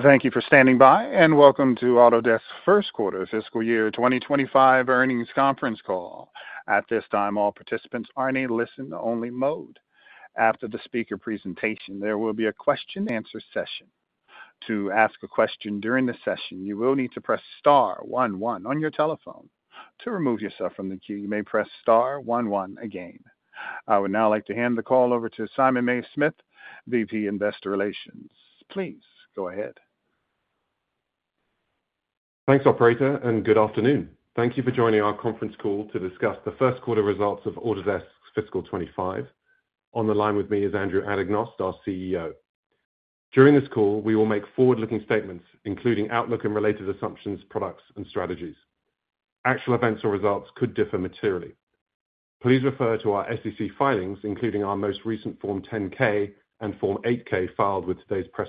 Thank you for standing by, and welcome to Autodesk's first quarter fiscal year 2025 earnings conference call. At this time, all participants are in a listen-only mode. After the speaker presentation, there will be a question and answer session. To ask a question during the session, you will need to press star one one on your telephone. To remove yourself from the queue, you may press star one one again. I would now like to hand the call over to Simon Mays-Smith, VP Investor Relations. Please go ahead. Thanks, operator, and good afternoon. Thank you for joining our conference call to discuss the first quarter results of Autodesk's fiscal 2025. On the line with me is Andrew Anagnost, our CEO. During this call, we will make forward-looking statements, including outlook and related assumptions, products, and strategies. Actual events or results could differ materially. Please refer to our SEC filings, including our most recent Form 10-K and Form 8-K, filed with today's press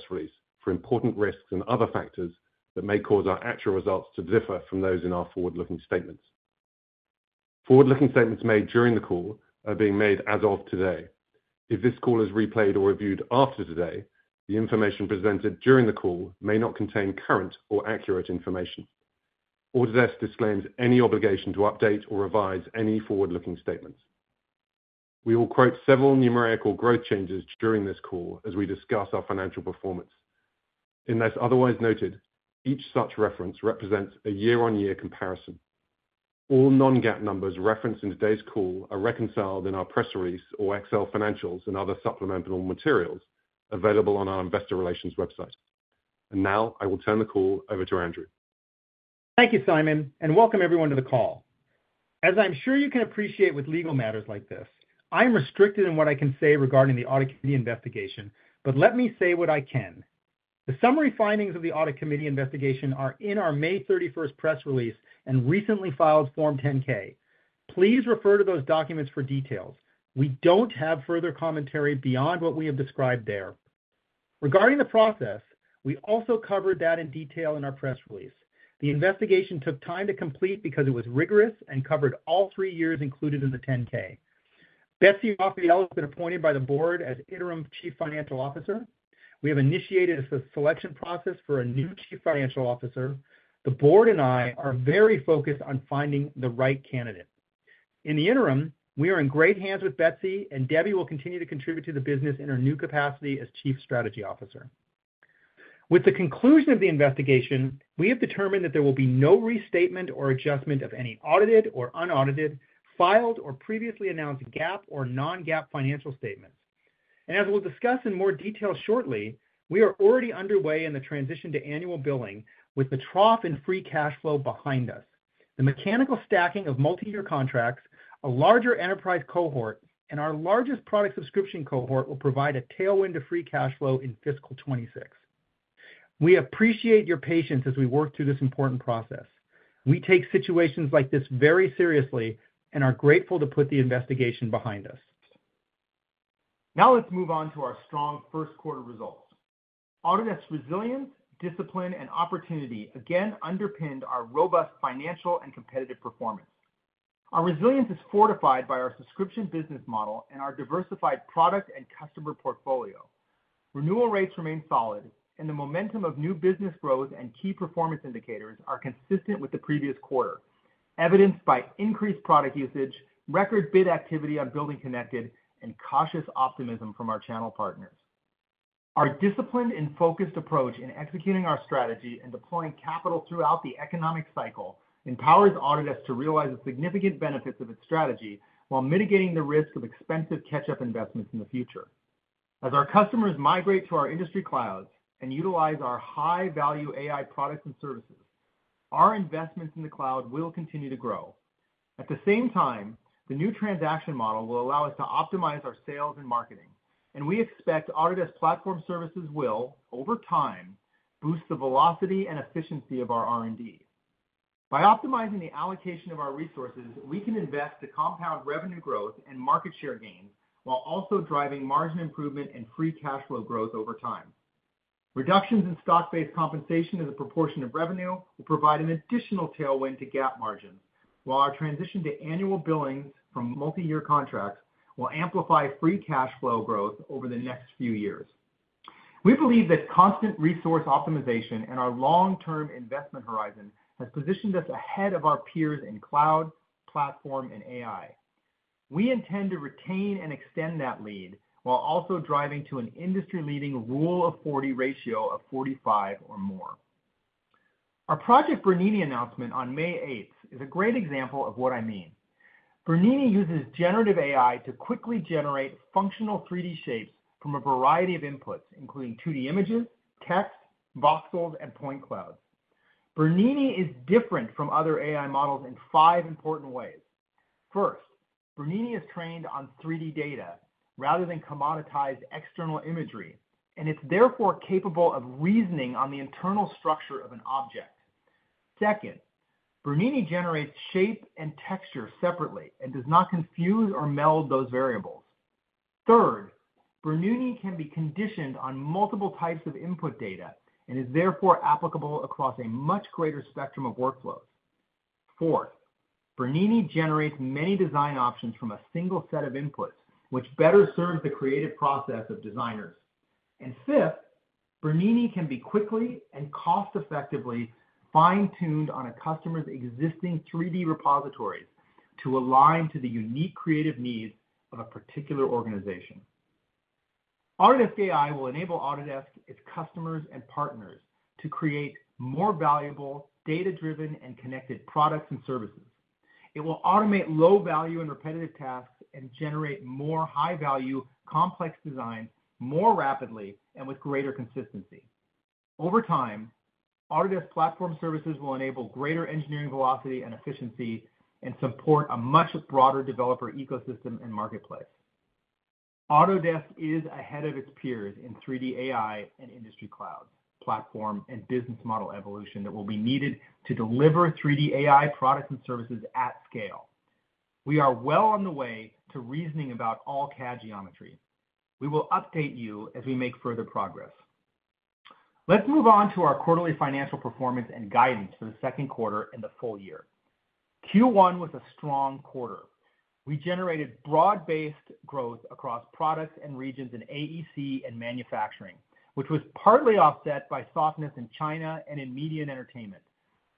release, for important risks and other factors that may cause our actual results to differ from those in our forward-looking statements. Forward-looking statements made during the call are being made as of today. If this call is replayed or reviewed after today, the information presented during the call may not contain current or accurate information. Autodesk disclaims any obligation to update or revise any forward-looking statements. We will quote several numerical growth changes during this call as we discuss our financial performance. Unless otherwise noted, each such reference represents a year-on-year comparison. All non-GAAP numbers referenced in today's call are reconciled in our press release or Excel financials and other supplemental materials available on our investor relations website. Now, I will turn the call over to Andrew. Thank you, Simon, and welcome everyone to the call. As I'm sure you can appreciate with legal matters like this, I'm restricted in what I can say regarding the Audit Committee investigation, but let me say what I can. The summary findings of the Audit Committee investigation are in our May thirty-first press release and recently filed Form 10-K. Please refer to those documents for details. We don't have further commentary beyond what we have described there. Regarding the process, we also covered that in detail in our press release. The investigation took time to complete because it was rigorous and covered all three years included in the 10-K. Betsy Rafael has been appointed by the board as Interim Chief Financial Officer. We have initiated a selection process for a new Chief Financial Officer. The board and I are very focused on finding the right candidate. In the interim, we are in great hands with Betsy, and Debbie will continue to contribute to the business in her new capacity as Chief Strategy Officer. With the conclusion of the investigation, we have determined that there will be no restatement or adjustment of any audited or unaudited, filed or previously announced GAAP or non-GAAP financial statements. As we'll discuss in more detail shortly, we are already underway in the transition to annual billing with the trough and free cash flow behind us. The mechanical stacking of multi-year contracts, a larger enterprise cohort, and our largest product subscription cohort will provide a tailwind to free cash flow in fiscal 2026. We appreciate your patience as we work through this important process. We take situations like this very seriously and are grateful to put the investigation behind us. Now let's move on to our strong first quarter results. Autodesk's resilience, discipline, and opportunity again underpinned our robust financial and competitive performance. Our resilience is fortified by our subscription business model and our diversified product and customer portfolio. Renewal rates remain solid, and the momentum of new business growth and key performance indicators are consistent with the previous quarter, evidenced by increased product usage, record bid activity on BuildingConnected, and cautious optimism from our channel partners. Our disciplined and focused approach in executing our strategy and deploying capital throughout the economic cycle empowers Autodesk to realize the significant benefits of its strategy while mitigating the risk of expensive catch-up investments in the future. As our customers migrate to our industry clouds and utilize our high-value AI products and services, our investments in the cloud will continue to grow. At the same time, the new transaction model will allow us to optimize our sales and marketing, and we expect Autodesk Platform Services will, over time, boost the velocity and efficiency of our R&D. By optimizing the allocation of our resources, we can invest to compound revenue growth and market share gains while also driving margin improvement and free cash flow growth over time. Reductions in stock-based compensation as a proportion of revenue will provide an additional tailwind to GAAP margins, while our transition to annual billings from multi-year contracts will amplify free cash flow growth over the next few years. We believe that constant resource optimization and our long-term investment horizon has positioned us ahead of our peers in cloud, platform, and AI. We intend to retain and extend that lead while also driving to an industry-leading Rule of 40 ratio of 45 or more. Our Project Bernini announcement on May 8 is a great example of what I mean. Bernini uses generative AI to quickly generate functional 3D shapes from a variety of inputs, including 2D images, text, voxels, and point clouds. Bernini is different from other AI models in five important ways. First, Bernini is trained on 3D data rather than commoditized external imagery, and it's therefore capable of reasoning on the internal structure of an object. Second, Bernini generates shape and texture separately and does not confuse or meld those variables. Third, Bernini can be conditioned on multiple types of input data and is therefore applicable across a much greater spectrum of workflows.... Fourth, Bernini generates many design options from a single set of inputs, which better serves the creative process of designers. And fifth, Bernini can be quickly and cost-effectively fine-tuned on a customer's existing 3D repository to align to the unique creative needs of a particular organization. Autodesk AI will enable Autodesk, its customers, and partners to create more valuable, data-driven, and connected products and services. It will automate low-value and repetitive tasks and generate more high-value, complex designs more rapidly and with greater consistency. Over time, Autodesk Platform Services will enable greater engineering velocity and efficiency and support a much broader developer ecosystem and marketplace. Autodesk is ahead of its peers in 3D AI and industry cloud, platform, and business model evolution that will be needed to deliver 3D AI products and services at scale. We are well on the way to reasoning about all CAD geometry. We will update you as we make further progress. Let's move on to our quarterly financial performance and guidance for the second quarter and the full year. Q1 was a strong quarter. We generated broad-based growth across products and regions in AEC and manufacturing, which was partly offset by softness in China and in media and entertainment,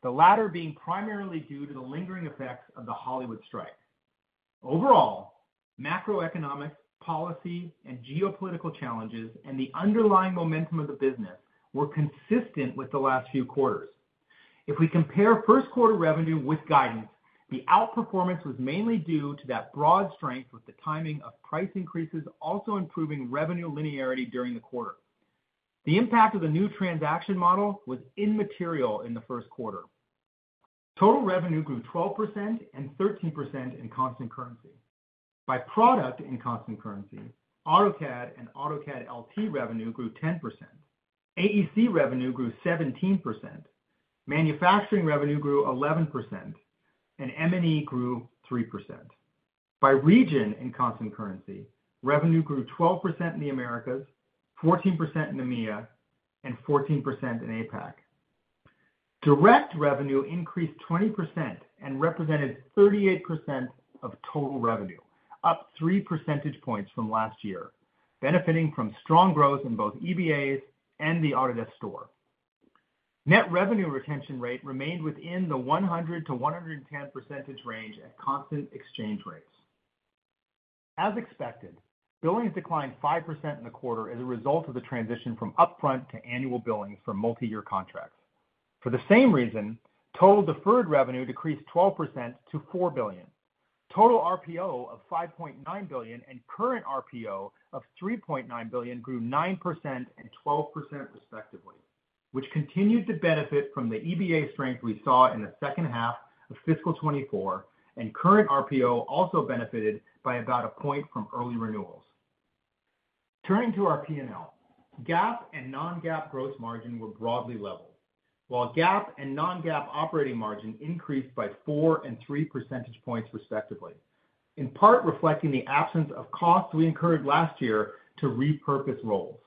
the latter being primarily due to the lingering effects of the Hollywood strike. Overall, macroeconomic, policy, and geopolitical challenges and the underlying momentum of the business were consistent with the last few quarters. If we compare first quarter revenue with guidance, the outperformance was mainly due to that broad strength, with the timing of price increases also improving revenue linearity during the quarter. The impact of the new transaction model was immaterial in the first quarter. Total revenue grew 12% and 13% in constant currency. By product in constant currency, AutoCAD and AutoCAD LT revenue grew 10%, AEC revenue grew 17%, manufacturing revenue grew 11%, and M&E grew 3%. By region in constant currency, revenue grew 12% in the Americas, 14% in EMEA, and 14% in APAC. Direct revenue increased 20% and represented 38% of total revenue, up 3 percentage points from last year, benefiting from strong growth in both EBAs and the Autodesk Store. Net revenue retention rate remained within the 100%-110% range at constant exchange rates. As expected, billings declined 5% in the quarter as a result of the transition from upfront to annual billings for multiyear contracts. For the same reason, total deferred revenue decreased 12% to $4 billion. Total RPO of $5.9 billion and current RPO of $3.9 billion grew 9% and 12%, respectively, which continued to benefit from the EBA strength we saw in the second half of fiscal 2024, and current RPO also benefited by about 1 percentage point from early renewals. Turning to our P&L. GAAP and non-GAAP gross margin were broadly level, while GAAP and non-GAAP operating margin increased by 4 and 3 percentage points, respectively, in part reflecting the absence of costs we incurred last year to repurpose roles.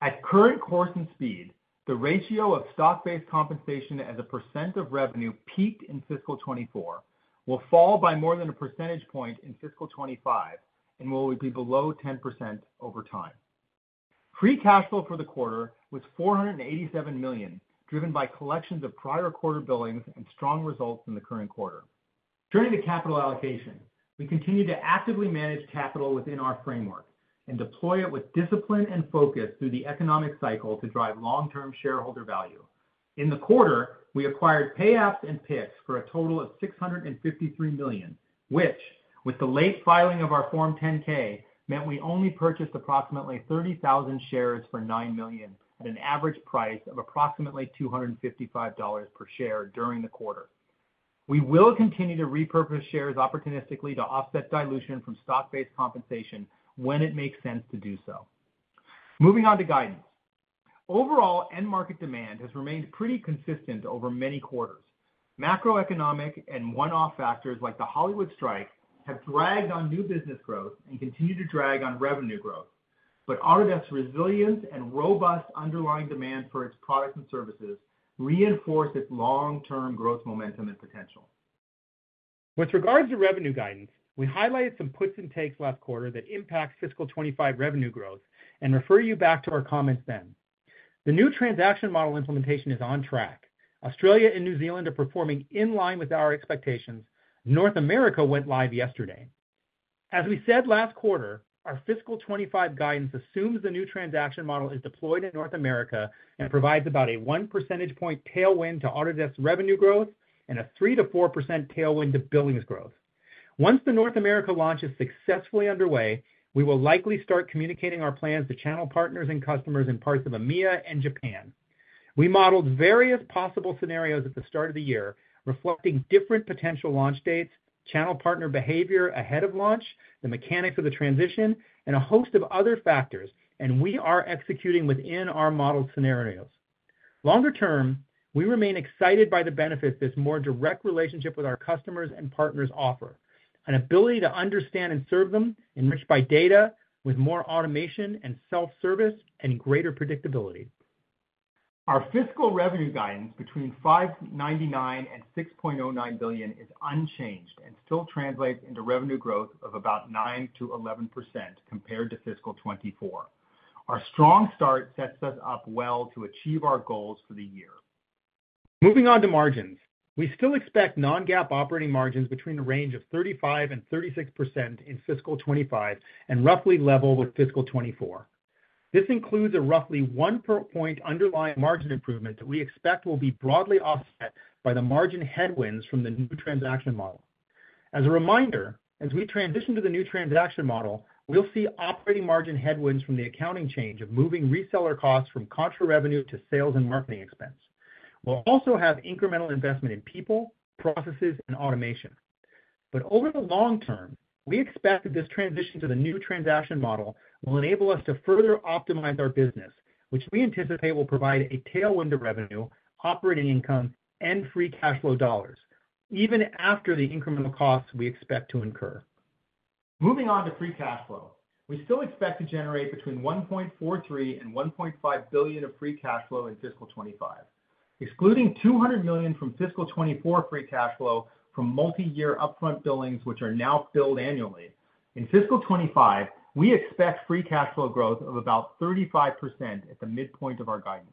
At current course and speed, the ratio of stock-based compensation as a % of revenue peaked in fiscal 2024, will fall by more than 1 percentage point in fiscal 2025, and will be below 10% over time. Free cash flow for the quarter was $487 million, driven by collections of prior quarter billings and strong results in the current quarter. Turning to capital allocation. We continue to actively manage capital within our framework and deploy it with discipline and focus through the economic cycle to drive long-term shareholder value. In the quarter, we acquired Payapps and PIX for a total of $653 million, which, with the late filing of our Form 10-K, meant we only purchased approximately 30,000 shares for $9 million at an average price of approximately $255 per share during the quarter. We will continue to repurchase shares opportunistically to offset dilution from stock-based compensation when it makes sense to do so. Moving on to guidance. Overall, end market demand has remained pretty consistent over many quarters. Macroeconomic and one-off factors, like the Hollywood strike, have dragged on new business growth and continue to drag on revenue growth, but Autodesk's resilience and robust underlying demand for its products and services reinforce its long-term growth, momentum, and potential. With regards to revenue guidance, we highlighted some puts and takes last quarter that impact fiscal 25 revenue growth and refer you back to our comments then. The new transaction model implementation is on track. Australia and New Zealand are performing in line with our expectations. North America went live yesterday. As we said last quarter, our fiscal 25 guidance assumes the new transaction model is deployed in North America and provides about a 1 percentage point tailwind to Autodesk's revenue growth and a 3%-4% tailwind to billings growth. Once the North America launch is successfully underway, we will likely start communicating our plans to channel partners and customers in parts of EMEA and Japan. We modeled various possible scenarios at the start of the year, reflecting different potential launch dates, channel partner behavior ahead of launch, the mechanics of the transition, and a host of other factors, and we are executing within our modeled scenarios. Longer term, we remain excited by the benefits this more direct relationship with our customers and partners offer, an ability to understand and serve them, enriched by data, with more automation and self-service and greater predictability. Our fiscal revenue guidance between $5.99 billion and $6.09 billion is unchanged and still translates into revenue growth of about 9%-11% compared to fiscal 2024. Our strong start sets us up well to achieve our goals for the year. Moving on to margins. We still expect non-GAAP operating margins between the range of 35%-36% in fiscal 2025, and roughly level with fiscal 2024. This includes a roughly one percentage point underlying margin improvement that we expect will be broadly offset by the margin headwinds from the new transaction model. As a reminder, as we transition to the new transaction model, we'll see operating margin headwinds from the accounting change of moving reseller costs from contra revenue to sales and marketing expense. We'll also have incremental investment in people, processes, and automation. But over the long term, we expect that this transition to the new transaction model will enable us to further optimize our business, which we anticipate will provide a tailwind to revenue, operating income, and free cash flow dollars, even after the incremental costs we expect to incur. Moving on to free cash flow. We still expect to generate between $1.43 billion and $1.5 billion of free cash flow in fiscal 2025, excluding $200 million from fiscal 2024 free cash flow from multiyear upfront billings, which are now billed annually. In fiscal 2025, we expect free cash flow growth of about 35% at the midpoint of our guidance.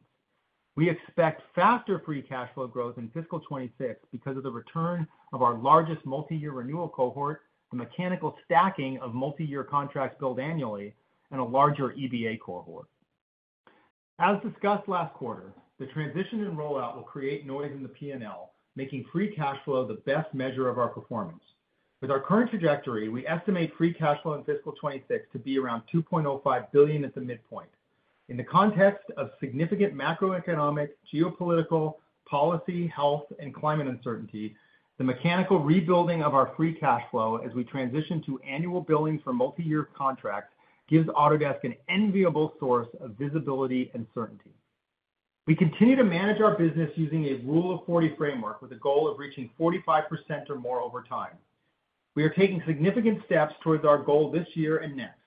We expect faster free cash flow growth in fiscal 2026 because of the return of our largest multi-year renewal cohort, the mechanical stacking of multi-year contracts billed annually, and a larger EBA cohort. As discussed last quarter, the transition and rollout will create noise in the P&L, making free cash flow the best measure of our performance. With our current trajectory, we estimate free cash flow in fiscal 2026 to be around $2.05 billion at the midpoint. In the context of significant macroeconomic, geopolitical, policy, health, and climate uncertainty, the mechanical rebuilding of our free cash flow as we transition to annual billing for multi-year contracts, gives Autodesk an enviable source of visibility and certainty. We continue to manage our business using a Rule of 40 framework with a goal of reaching 45% or more over time. We are taking significant steps towards our goal this year and next.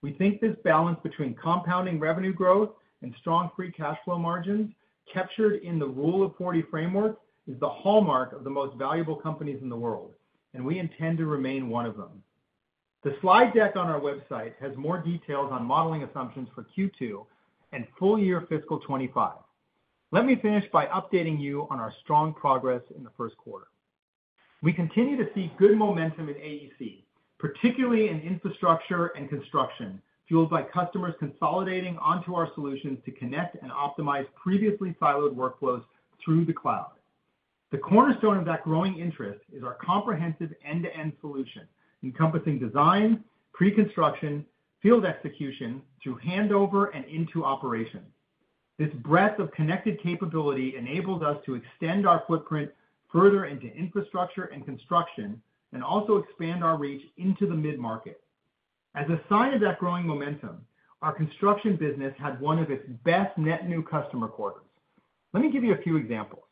We think this balance between compounding revenue growth and strong free cash flow margins, captured in the Rule of 40 framework, is the hallmark of the most valuable companies in the world, and we intend to remain one of them. The slide deck on our website has more details on modeling assumptions for Q2 and full year fiscal 2025. Let me finish by updating you on our strong progress in the first quarter. We continue to see good momentum in AEC, particularly in infrastructure and construction, fueled by customers consolidating onto our solutions to connect and optimize previously siloed workflows through the cloud. The cornerstone of that growing interest is our comprehensive end-to-end solution, encompassing design, pre-construction, field execution, to handover and into operation. This breadth of connected capability enables us to extend our footprint further into infrastructure and construction, and also expand our reach into the mid-market. As a sign of that growing momentum, our construction business had one of its best net new customer quarters. Let me give you a few examples.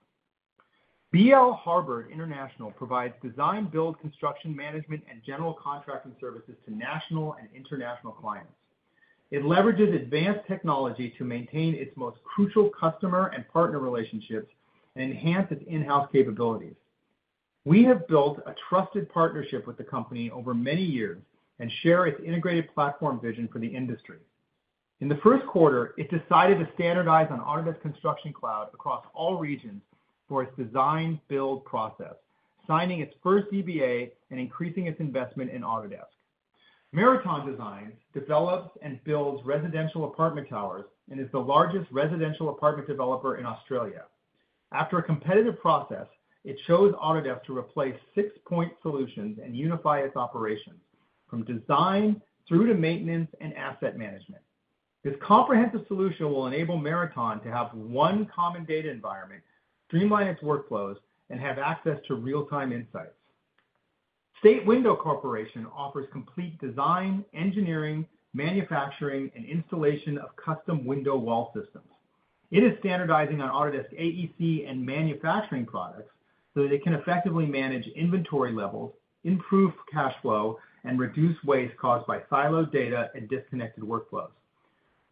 BL Harbert International provides design, build, construction management, and general contracting services to national and international clients. It leverages advanced technology to maintain its most crucial customer and partner relationships and enhance its in-house capabilities. We have built a trusted partnership with the company over many years and share its integrated platform vision for the industry. In the first quarter, it decided to standardize on Autodesk Construction Cloud across all regions for its design build process, signing its first EBA and increasing its investment in Autodesk. Meriton Designs develops and builds residential apartment towers and is the largest residential apartment developer in Australia. After a competitive process, it chose Autodesk to replace six point solutions and unify its operations, from design through to maintenance and asset management. This comprehensive solution will enable Meriton to have one common data environment, streamline its workflows, and have access to real-time insights. State Window Corporation offers complete design, engineering, manufacturing, and installation of custom window wall systems. It is standardizing on Autodesk AEC and manufacturing products so that it can effectively manage inventory levels, improve cash flow, and reduce waste caused by siloed data and disconnected workflows.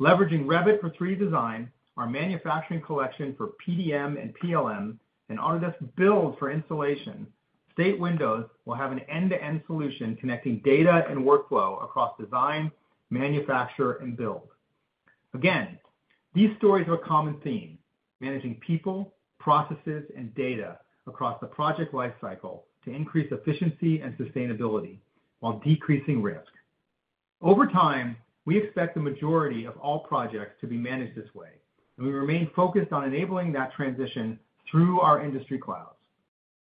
Leveraging Revit for 3D design, our Manufacturing Collection for PDM and PLM, and Autodesk Build for installation, State Window will have an end-to-end solution connecting data and workflow across design, manufacture, and build. Again, these stories are a common theme, managing people, processes, and data across the project lifecycle to increase efficiency and sustainability while decreasing risk. Over time, we expect the majority of all projects to be managed this way, and we remain focused on enabling that transition through our industry clouds.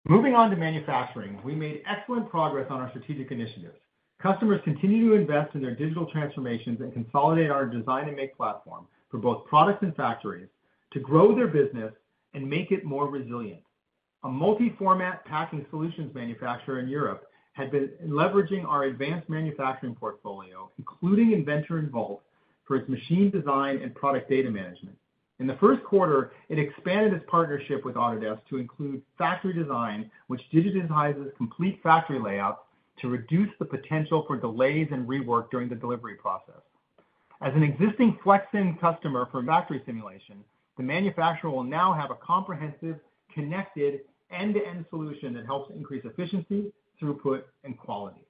Moving on to manufacturing, we made excellent progress on our strategic initiatives. Customers continue to invest in their digital transformations and consolidate our Design and Make Platform for both products and factories to grow their business and make it more resilient. A multi-format packing solutions manufacturer in Europe had been leveraging our advanced manufacturing portfolio, including Inventor and Vault, for its machine design and product data management. In the first quarter, it expanded its partnership with Autodesk to include factory design, which digitizes complete factory layout to reduce the potential for delays and rework during the delivery process. As an existing FlexSim customer for factory simulation, the manufacturer will now have a comprehensive, connected, end-to-end solution that helps increase efficiency, throughput, and quality.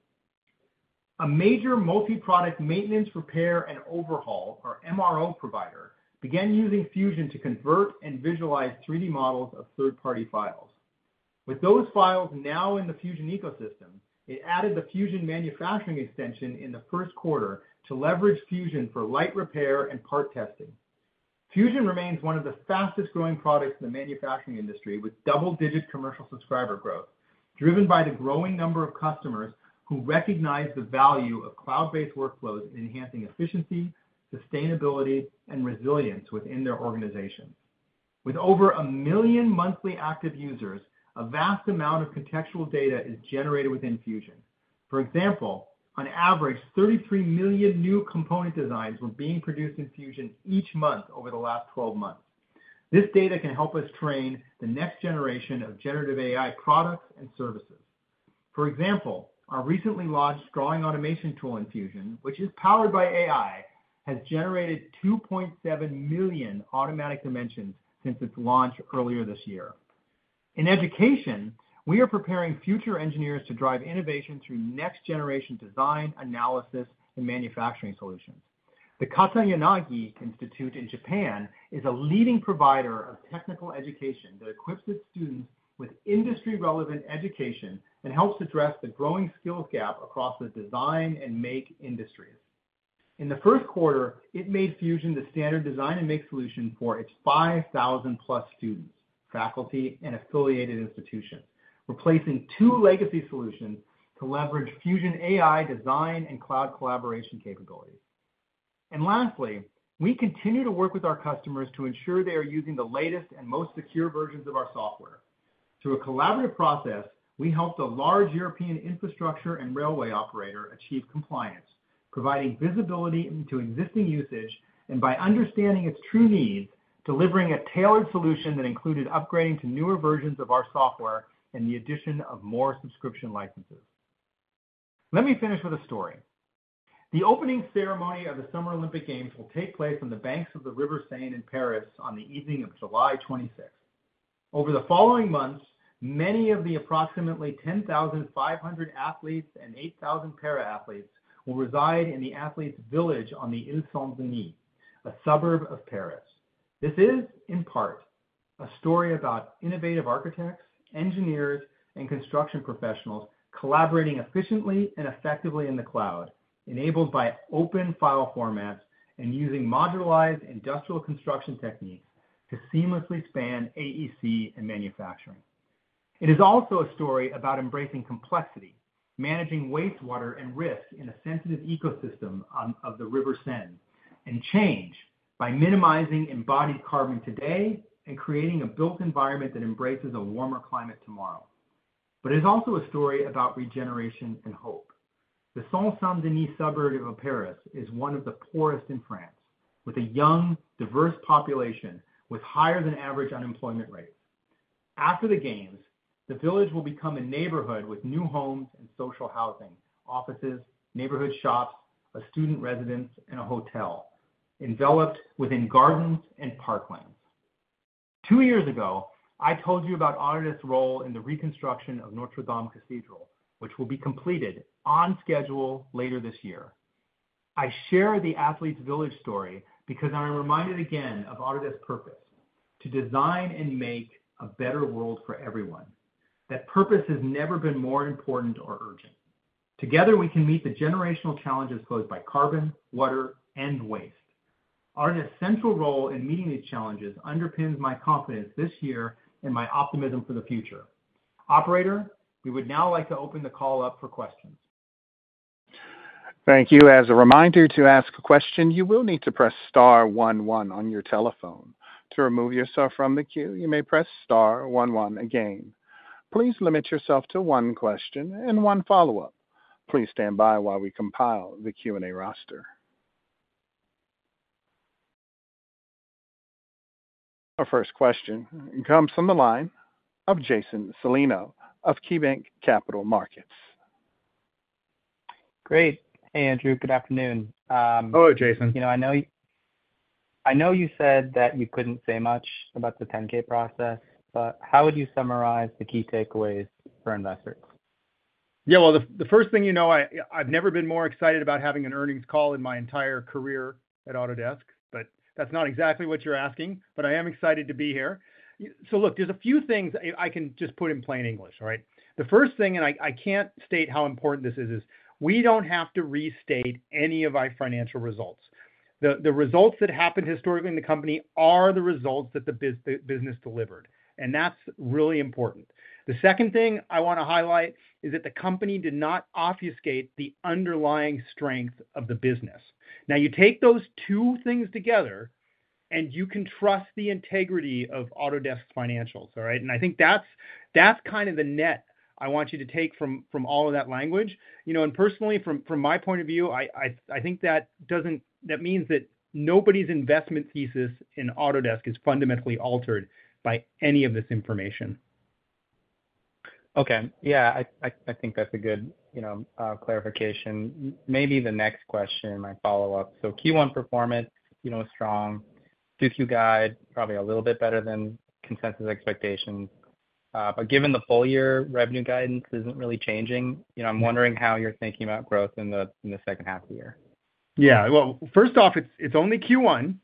A major multi-product maintenance, repair, and overhaul, or MRO provider, began using Fusion to convert and visualize 3D models of third-party files. With those files now in the Fusion ecosystem, it added the Fusion Manufacturing Extension in the first quarter to leverage Fusion for light repair and part testing. Fusion remains one of the fastest-growing products in the manufacturing industry, with double-digit commercial subscriber growth, driven by the growing number of customers who recognize the value of cloud-based workflows in enhancing efficiency, sustainability, and resilience within their organizations. With over 1 million monthly active users, a vast amount of contextual data is generated within Fusion. For example, on average, 33 million new component designs were being produced in Fusion each month over the last 12 months. This data can help us train the next generation of generative AI products and services. For example, our recently launched drawing automation tool in Fusion, which is powered by AI, has generated 2.7 million automatic dimensions since its launch earlier this year. In education, we are preparing future engineers to drive innovation through next-generation design, analysis, and manufacturing solutions. The Katayanagi Institute in Japan is a leading provider of technical education that equips its students with industry-relevant education and helps address the growing skills gap across the Design and Make industries. In the first quarter, it made Fusion the standard Design and Make solution for its 5,000-plus students, faculty, and affiliated institutions, replacing two legacy solutions to leverage Fusion AI design and cloud collaboration capabilities. Lastly, we continue to work with our customers to ensure they are using the latest and most secure versions of our software. Through a collaborative process, we helped a large European infrastructure and railway operator achieve compliance, providing visibility into existing usage, and by understanding its true needs, delivering a tailored solution that included upgrading to newer versions of our software and the addition of more subscription licenses. Let me finish with a story. The opening ceremony of the Summer Olympic Games will take place on the banks of the River Seine in Paris on the evening of July twenty-sixth. Over the following months, many of the approximately 10,500 athletes and 8,000 para-athletes will reside in the Athletes' Village on the Île-Saint-Denis, a suburb of Paris. This is, in part, a story about innovative architects, engineers, and construction professionals collaborating efficiently and effectively in the cloud, enabled by open file formats and using modularized industrial construction techniques to seamlessly span AEC and manufacturing. It is also a story about embracing complexity, managing wastewater and risk in a sensitive ecosystem of the River Seine, and change by minimizing embodied carbon today and creating a built environment that embraces a warmer climate tomorrow. But it's also a story about regeneration and hope. The Saint-Denis suburb of Paris is one of the poorest in France, with a young, diverse population with higher-than-average unemployment rates. After the games, the village will become a neighborhood with new homes and social housing, offices, neighborhood shops, a student residence, and a hotel, enveloped within gardens and parklands. Two years ago, I told you about Autodesk's role in the reconstruction of Notre Dame Cathedral, which will be completed on schedule later this year. I share the Athletes' Village story because I'm reminded again of Autodesk's purpose: to design and make a better world for everyone. That purpose has never been more important or urgent. Together, we can meet the generational challenges posed by carbon, water, and waste. Autodesk's central role in meeting these challenges underpins my confidence this year and my optimism for the future. Operator, we would now like to open the call up for questions. Thank you. As a reminder, to ask a question, you will need to press star one one on your telephone. To remove yourself from the queue, you may press star one one again. Please limit yourself to one question and one follow-up. Please stand by while we compile the Q&A roster. Our first question comes from the line of Jason Celino of KeyBanc Capital Markets. Great. Hey, Andrew. Good afternoon- Hello, Jason. You know, I know you said that you couldn't say much about the 10-K process, but how would you summarize the key takeaways for investors? Yeah, well, the first thing you know, I've never been more excited about having an earnings call in my entire career at Autodesk, but that's not exactly what you're asking, but I am excited to be here. So look, there's a few things I can just put in plain English, all right? The first thing, and I can't state how important this is, is we don't have to restate any of our financial results. The results that happened historically in the company are the results that the business delivered, and that's really important. The second thing I wanna highlight is that the company did not obfuscate the underlying strength of the business. Now, you take those two things together, and you can trust the integrity of Autodesk financials, all right? I think that's kind of the net I want you to take from all of that language. You know, and personally, from my point of view, I think that doesn't—that means that nobody's investment thesis in Autodesk is fundamentally altered by any of this information.... Okay. Yeah, I think that's a good, you know, clarification. Maybe the next question, my follow-up. So Q1 performance, you know, is strong. Q2 guide, probably a little bit better than consensus expectations. But given the full year revenue guidance isn't really changing, you know, I'm wondering how you're thinking about growth in the second half of the year. Yeah. Well, first off, it's only Q1,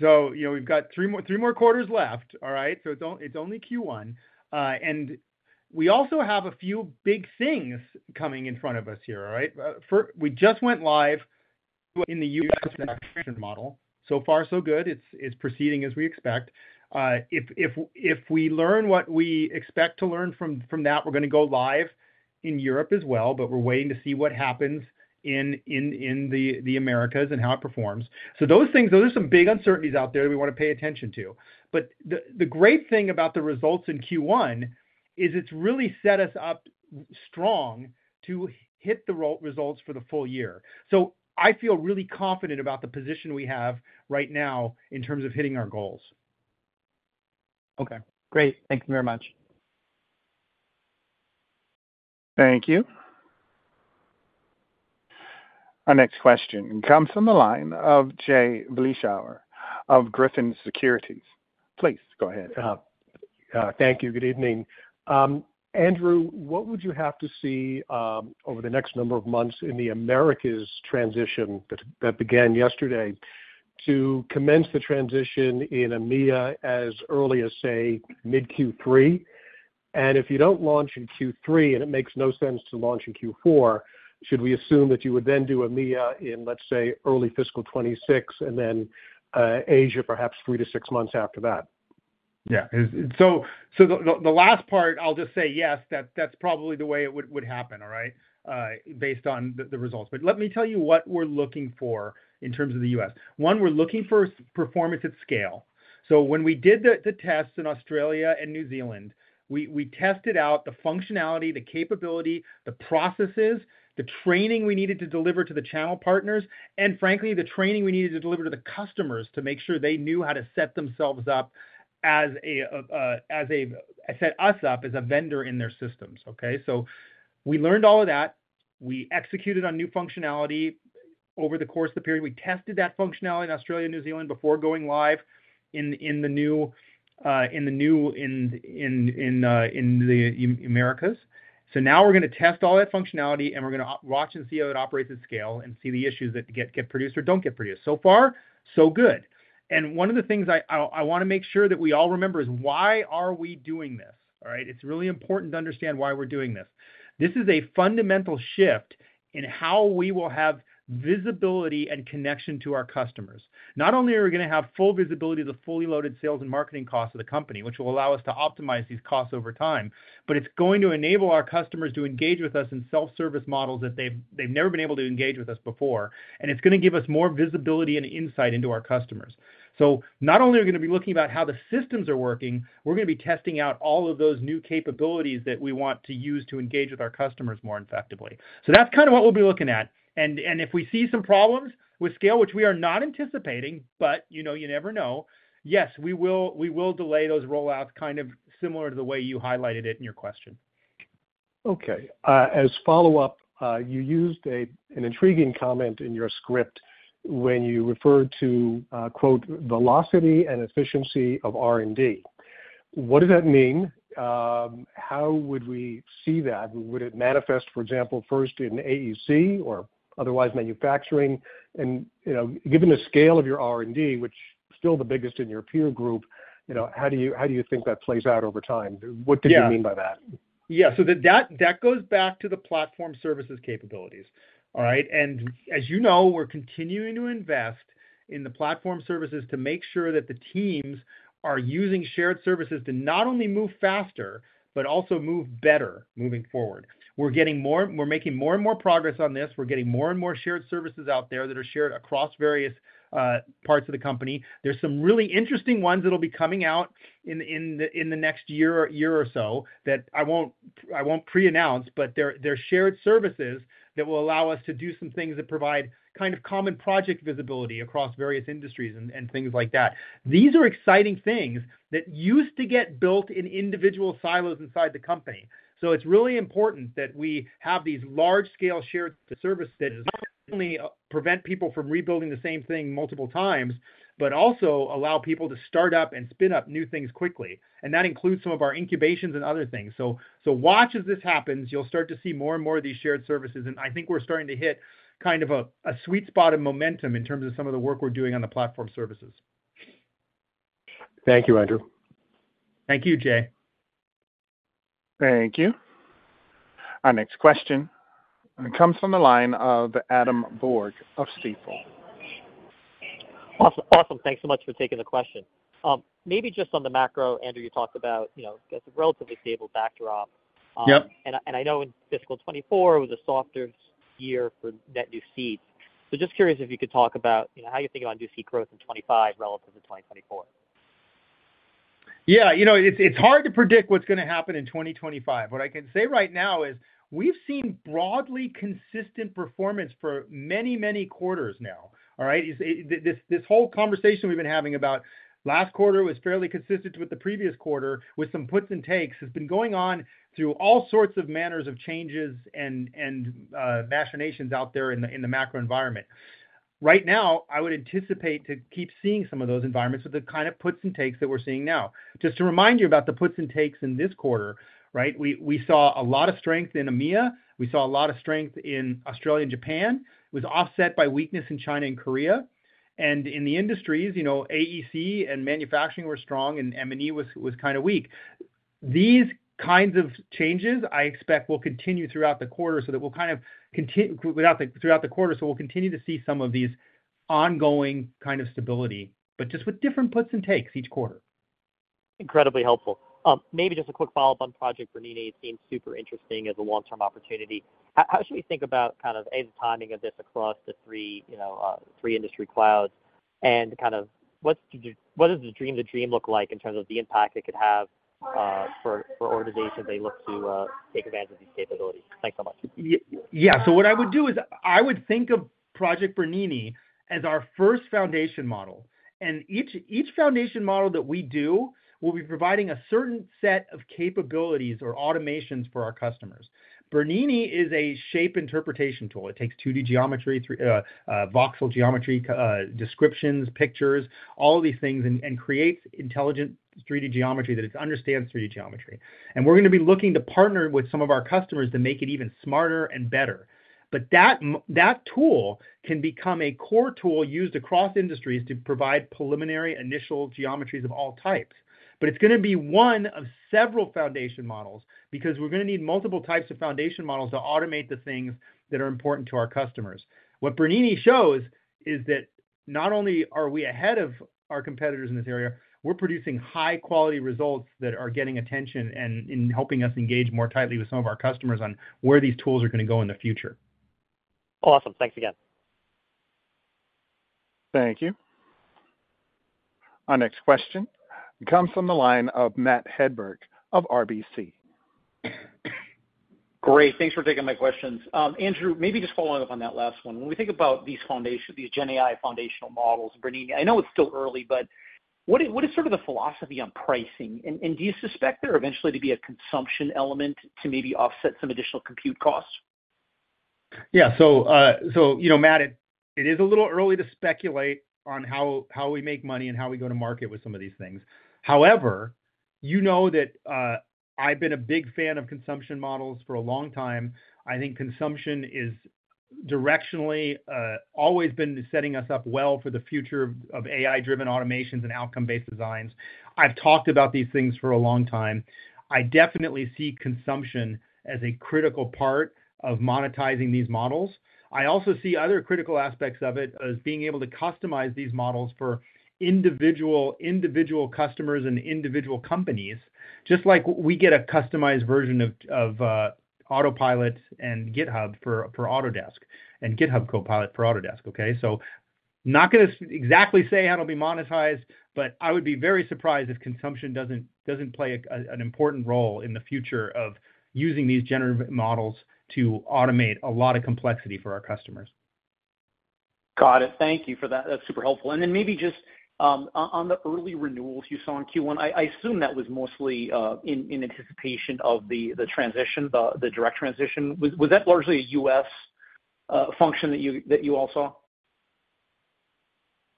so, you know, we've got three more, three more quarters left, all right? So it's only Q1. And we also have a few big things coming in front of us here, all right? We just went live in the US transaction model. So far, so good. It's proceeding as we expect. If we learn what we expect to learn from that, we're gonna go live in Europe as well, but we're waiting to see what happens in the Americas and how it performs. So those things, those are some big uncertainties out there that we wanna pay attention to. But the great thing about the results in Q1 is it's really set us up strong to hit the results for the full year. I feel really confident about the position we have right now in terms of hitting our goals. Okay, great. Thank you very much. Thank you. Our next question comes from the line of Jay Vleeschhouwer of Griffin Securities. Please, go ahead. Thank you. Good evening. Andrew, what would you have to see over the next number of months in the Americas transition that began yesterday, to commence the transition in EMEA as early as, say, mid Q3? If you don't launch in Q3, and it makes no sense to launch in Q4, should we assume that you would then do EMEA in, let's say, early fiscal 2026, and then Asia, perhaps 3-6 months after that? Yeah. It—So the last part, I'll just say yes, that's probably the way it would happen, all right? Based on the results. But let me tell you what we're looking for in terms of the U.S. One, we're looking for performance at scale. So when we did the tests in Australia and New Zealand, we tested out the functionality, the capability, the processes, the training we needed to deliver to the channel partners, and frankly, the training we needed to deliver to the customers to make sure they knew how to set us up as a vendor in their systems, okay? So we learned all of that. We executed on new functionality over the course of the period. We tested that functionality in Australia and New Zealand before going live in the Americas. So now we're gonna test all that functionality, and we're gonna watch and see how it operates at scale and see the issues that get produced or don't get produced. So far, so good. One of the things I wanna make sure that we all remember is: why are we doing this? All right. It's really important to understand why we're doing this. This is a fundamental shift in how we will have visibility and connection to our customers. Not only are we gonna have full visibility of the fully loaded sales and marketing costs of the company, which will allow us to optimize these costs over time, but it's going to enable our customers to engage with us in self-service models that they've, they've never been able to engage with us before, and it's gonna give us more visibility and insight into our customers. So not only are we gonna be looking about how the systems are working, we're gonna be testing out all of those new capabilities that we want to use to engage with our customers more effectively. So that's kind of what we'll be looking at. If we see some problems with scale, which we are not anticipating, but, you know, you never know, yes, we will, we will delay those rollouts, kind of similar to the way you highlighted it in your question. Okay. As follow-up, you used a, an intriguing comment in your script when you referred to, quote, "velocity and efficiency of R&D." What does that mean? How would we see that? Would it manifest, for example, first in AEC or otherwise manufacturing? And, you know, given the scale of your R&D, which is still the biggest in your peer group, you know, how do you, how do you think that plays out over time? What did you mean by that? Yeah. So that goes back to the platform services capabilities, all right? And as you know, we're continuing to invest in the platform services to make sure that the teams are using shared services to not only move faster, but also move better moving forward. We're making more and more progress on this. We're getting more and more shared services out there that are shared across various parts of the company. There's some really interesting ones that'll be coming out in the next year or so that I won't pre-announce, but they're shared services that will allow us to do some things that provide kind of common project visibility across various industries and things like that. These are exciting things that used to get built in individual silos inside the company. So it's really important that we have these large-scale shared services that not only prevent people from rebuilding the same thing multiple times, but also allow people to start up and spin up new things quickly. And that includes some of our incubations and other things. So, so watch as this happens. You'll start to see more and more of these shared services, and I think we're starting to hit kind of a, a sweet spot of momentum in terms of some of the work we're doing on the platform services. Thank you, Andrew. Thank you, Jay. Thank you. Our next question comes from the line of Adam Borg of Stifel. Awesome. Awesome. Thanks so much for taking the question. Maybe just on the macro, Andrew, you talked about, you know, it's a relatively stable backdrop. Yep. I know in fiscal 2024, it was a softer year for net new seats. So just curious if you could talk about, you know, how you're thinking about new seat growth in 2025 relative to 2024?... Yeah, you know, it's hard to predict what's gonna happen in 2025. What I can say right now is we've seen broadly consistent performance for many, many quarters now. All right? It's this whole conversation we've been having about last quarter was fairly consistent with the previous quarter, with some puts and takes, has been going on through all sorts of manners of changes and machinations out there in the macro environment. Right now, I would anticipate to keep seeing some of those environments with the kind of puts and takes that we're seeing now. Just to remind you about the puts and takes in this quarter, right? We saw a lot of strength in EMEA. We saw a lot of strength in Australia and Japan. It was offset by weakness in China and Korea. And in the industries, you know, AEC and manufacturing were strong and M&E was kind of weak. These kinds of changes, I expect, will continue throughout the quarter, so that we'll kind of continue throughout the quarter. So we'll continue to see some of these ongoing kind of stability, but just with different puts and takes each quarter. Incredibly helpful. Maybe just a quick follow-up on Project Bernini. It seems super interesting as a long-term opportunity. How, how should we think about kind of, A, the timing of this across the three, you know, three industry clouds? And kind of what's the what does the dream, the dream look like in terms of the impact it could have, for, for organizations as they look to, take advantage of these capabilities? Thanks so much. Yeah. So what I would do is I would think of Project Bernini as our first foundation model, and each foundation model that we do will be providing a certain set of capabilities or automations for our customers. Bernini is a shape interpretation tool. It takes 2D geometry, voxel geometry, descriptions, pictures, all of these things, and creates intelligent 3D geometry that it understands 3D geometry. And we're gonna be looking to partner with some of our customers to make it even smarter and better. But that tool can become a core tool used across industries to provide preliminary initial geometries of all types. But it's gonna be one of several foundation models, because we're gonna need multiple types of foundation models to automate the things that are important to our customers. What Bernini shows is that not only are we ahead of our competitors in this area, we're producing high-quality results that are getting attention and, in helping us engage more tightly with some of our customers on where these tools are gonna go in the future. Awesome. Thanks again. Thank you. Our next question comes from the line of Matt Hedberg of RBC. Great, thanks for taking my questions. Andrew, maybe just following up on that last one. When we think about these foundation, these GenAI foundational models, Bernini, I know it's still early, but what is, what is sort of the philosophy on pricing? And, and do you suspect there eventually to be a consumption element to maybe offset some additional compute costs? Yeah. So, you know, Matt, it is a little early to speculate on how we make money and how we go to market with some of these things. However, you know that, I've been a big fan of consumption models for a long time. I think consumption is directionally, always been setting us up well for the future of AI-driven automations and outcome-based designs. I've talked about these things for a long time. I definitely see consumption as a critical part of monetizing these models. I also see other critical aspects of it as being able to customize these models for individual customers and individual companies, just like we get a customized version of Autopilot and GitHub for Autodesk, and GitHub Copilot for Autodesk, okay? So not gonna exactly say how it'll be monetized, but I would be very surprised if consumption doesn't play an important role in the future of using these generative models to automate a lot of complexity for our customers. Got it. Thank you for that. That's super helpful. And then maybe just on the early renewals you saw in Q1, I assume that was mostly in anticipation of the transition, the direct transition. Was that largely a US function that you all saw?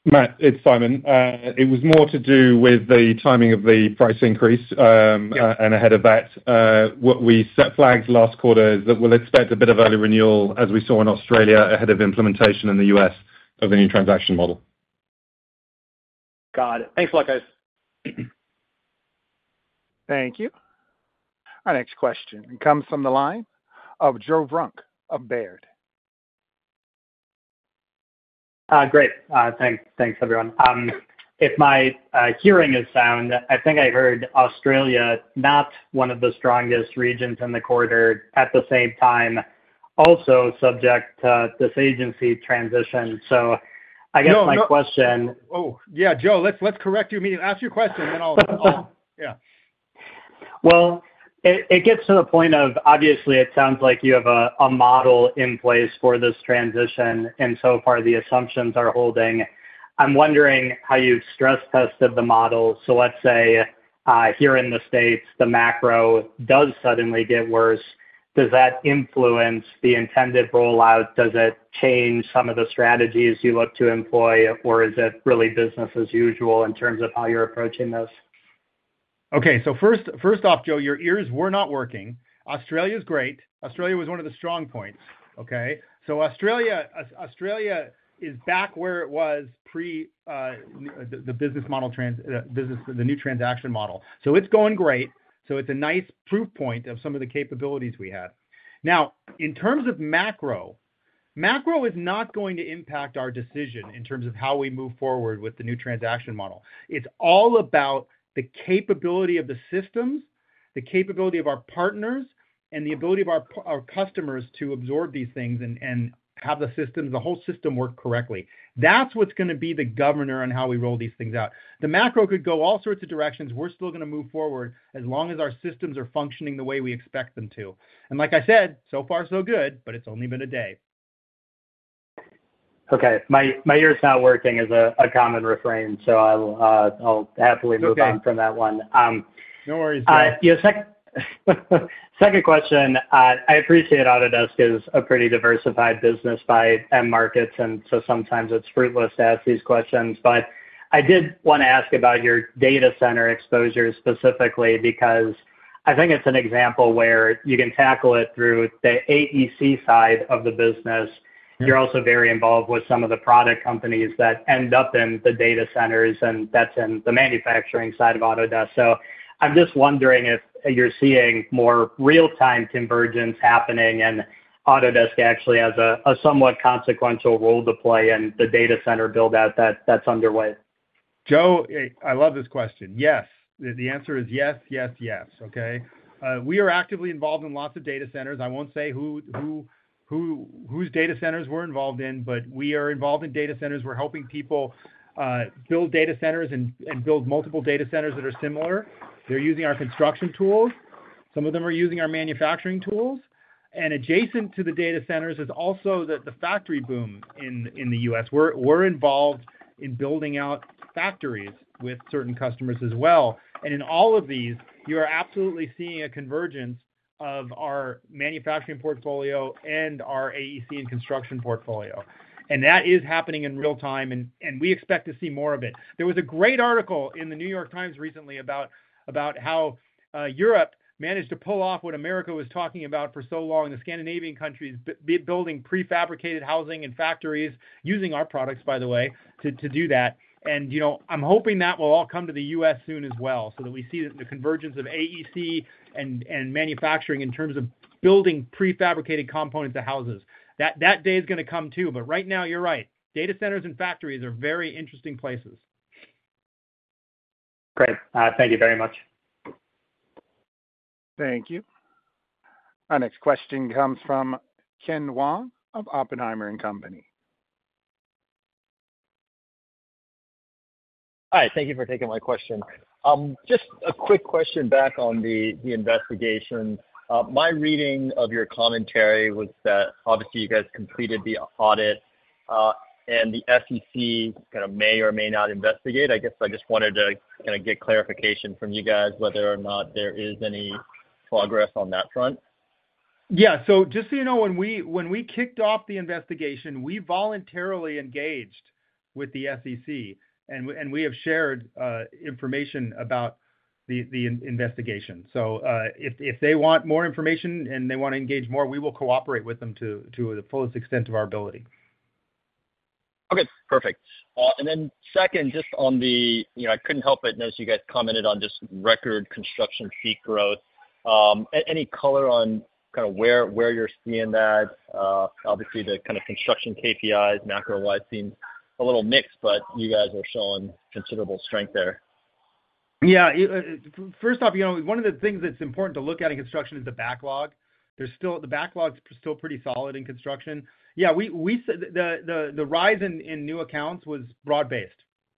Matt, it's Simon. It was more to do with the timing of the price increase. Yeah... and ahead of that, what we flagged last quarter, is that we'll expect a bit of early renewal, as we saw in Australia, ahead of implementation in the U.S. of the new transaction model. Got it. Thanks a lot, guys. Thank you. Our next question comes from the line of Joe Vruwink of Baird. Great. Thanks. Thanks, everyone. If my hearing is sound, I think I heard Australia, not one of the strongest regions in the quarter, at the same time, also subject to this agency transition. So I guess my question- Oh, yeah, Joe, let's correct you immediately. Ask your question, then I'll... Yeah. Well, it gets to the point of obviously, it sounds like you have a model in place for this transition, and so far, the assumptions are holding. I'm wondering how you've stress-tested the model. So let's say, here in the States, the macro does suddenly get worse. Does that influence the intended rollout? Does it change some of the strategies you look to employ, or is it really business as usual in terms of how you're approaching this? Okay, so first off, Joe, your ears were not working. Australia's great. Australia was one of the strong points, okay? So Australia is back where it was pre the business model. The new transaction model. So it's going great. So it's a nice proof point of some of the capabilities we have. Now, in terms of macro, macro is not going to impact our decision in terms of how we move forward with the new transaction model. It's all about the capability of our partners and the ability of our customers to absorb these things and have the systems, the whole system work correctly. That's what's gonna be the governor on how we roll these things out. The macro could go all sorts of directions. We're still gonna move forward as long as our systems are functioning the way we expect them to. Like I said, so far, so good, but it's only been a day. Okay. My, my ear's not working is a, a common refrain, so I'll, I'll happily move on from that one. It's okay. No worries, Joe. Second question. I appreciate Autodesk is a pretty diversified business by end markets, and so sometimes it's fruitless to ask these questions. But I did wanna ask about your data center exposure specifically, because I think it's an example where you can tackle it through the AEC side of the business. You're also very involved with some of the product companies that end up in the data centers, and that's in the manufacturing side of Autodesk. So I'm just wondering if you're seeing more real-time convergence happening, and Autodesk actually has a somewhat consequential role to play in the data center build-out that's underway. Joe, I love this question. Yes. The answer is yes, yes, yes, okay? We are actively involved in lots of data centers. I won't say whose data centers we're involved in, but we are involved in data centers. We're helping people build data centers and build multiple data centers that are similar. They're using our construction tools. Some of them are using our manufacturing tools. And adjacent to the data centers is also the factory boom in the US. We're involved in building out factories with certain customers as well. And in all of these, you are absolutely seeing a convergence of our manufacturing portfolio and our AEC and construction portfolio. And that is happening in real time, and we expect to see more of it. There was a great article in the New York Times recently about how Europe managed to pull off what America was talking about for so long, the Scandinavian countries building prefabricated housing and factories, using our products, by the way, to do that. And, you know, I'm hoping that will all come to the US soon as well, so that we see the convergence of AEC and manufacturing in terms of building prefabricated components of houses. That day is gonna come, too, but right now, you're right. Data centers and factories are very interesting places. Great. Thank you very much. Thank you. Our next question comes from Ken Wong of Oppenheimer & Co. Hi, thank you for taking my question. Just a quick question back on the investigation. My reading of your commentary was that, obviously, you guys completed the audit, and the SEC kind of may or may not investigate. I guess I just wanted to kind of get clarification from you guys, whether or not there is any progress on that front. Yeah. So just so you know, when we kicked off the investigation, we voluntarily engaged with the SEC, and we have shared information about the investigation. So, if they want more information, and they wanna engage more, we will cooperate with them to the fullest extent of our ability. Okay, perfect. And then second, just on the... You know, I couldn't help but notice you guys commented on just record construction seat growth. Any color on kind of where, where you're seeing that? Obviously, the kind of construction KPIs macro-wide seem a little mixed, but you guys are showing considerable strength there. Yeah, first off, you know, one of the things that's important to look at in construction is the backlog. There's still the backlog's still pretty solid in construction. Yeah, the rise in new accounts was broad-based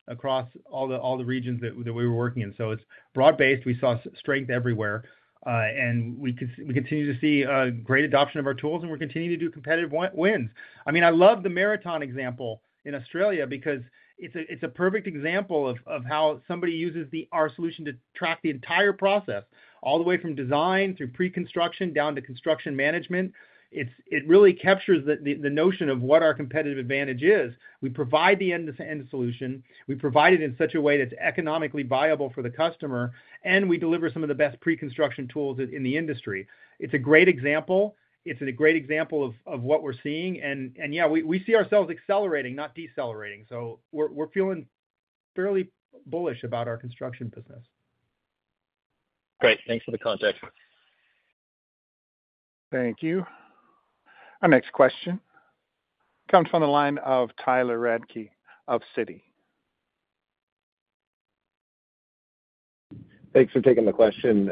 across all the regions that we were working in. So it's broad-based. We saw strength everywhere, and we continue to see great adoption of our tools, and we're continuing to do competitive wins. I mean, I love the Meriton example in Australia because it's a perfect example of how somebody uses our solution to track the entire process, all the way from design through pre-construction, down to construction management. It really captures the notion of what our competitive advantage is. We provide the end-to-end solution, we provide it in such a way that's economically viable for the customer, and we deliver some of the best pre-construction tools in the industry. It's a great example. It's a great example of what we're seeing, and yeah, we see ourselves accelerating, not decelerating. So we're feeling fairly bullish about our construction business. Great. Thanks for the context. Thank you. Our next question comes from the line of Tyler Radke of Citi. Thanks for taking the question.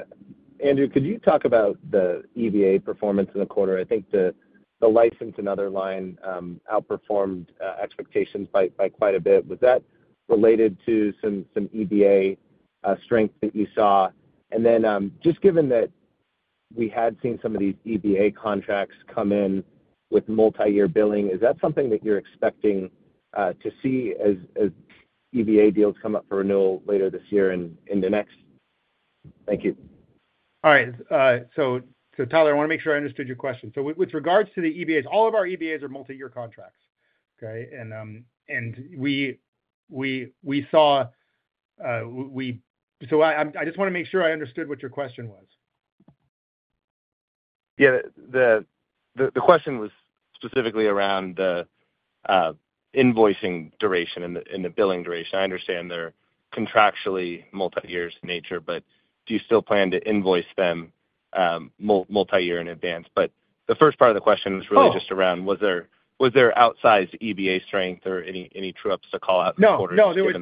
Andrew, could you talk about the EBA performance in the quarter? I think the license and other line outperformed expectations by quite a bit. Was that related to some EBA strength that you saw? And then, just given that we had seen some of these EBA contracts come in with multiyear billing, is that something that you're expecting to see as EBA deals come up for renewal later this year and in the next...? Thank you. All right. So Tyler, I wanna make sure I understood your question. So with regards to the EBAs, all of our EBAs are multiyear contracts, okay? And we saw. So I just wanna make sure I understood what your question was. Yeah. The question was specifically around the invoicing duration and the billing duration. I understand they're contractually multiyear in nature, but do you still plan to invoice them multi-year in advance. But the first part of the question was really- Oh! Was there outsized EBA strength or any true-ups to call out in the quarter? No, there was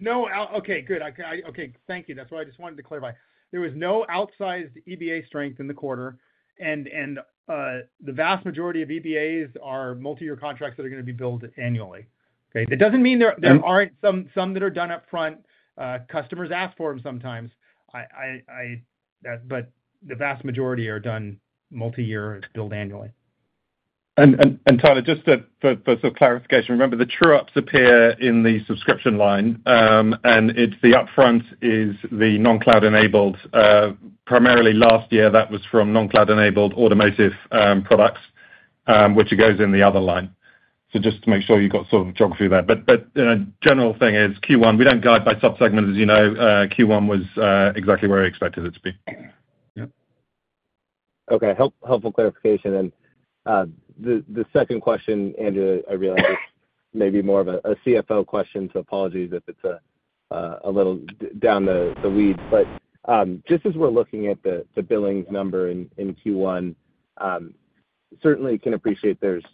no outsized. Okay, good. Okay, thank you. That's what I just wanted to clarify. There was no outsized EBA strength in the quarter, and the vast majority of EBAs are multi-year contracts that are gonna be billed annually. Okay? It doesn't mean there- Um- There aren't some that are done up front. Customers ask for them sometimes. But the vast majority are done multiyear and billed annually. And Tyler, just for clarification, remember, the true-ups appear in the subscription line, and it's the upfront is the non-cloud enabled, primarily last year, that was from non-cloud enabled automotive products, which goes in the other line. So just to make sure you've got sort of geography there. But the general thing is Q1, we don't guide by sub-segment, as you know. Q1 was exactly where we expected it to be. Yeah. Okay. Helpful clarification. And, the second question, Andrew, I realize may be more of a CFO question, so apologies if it's a little down the weeds. But, just as we're looking at the billings number in Q1, certainly can appreciate there's